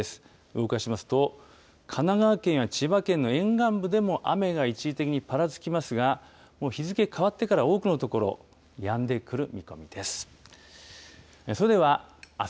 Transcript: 動かしますと、神奈川県や千葉県の沿岸部でも雨が一時的にぱらつきますが、もう日付変わってから、多くの所、やんでくる見込みです。